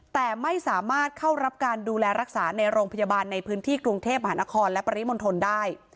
แต่ไม่สามารถเข้ารับการดูแลรักษาในโรงพยาบาลในพื้นที่กรุงเทพหานครและปริมณฑลได้